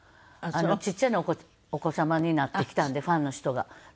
ちっちゃなお子様になってきたんでファンの人が。